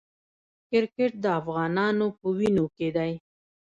کرکټ د افغانانو په وینو کې دی.